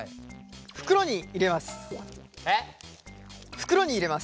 袋に入れます。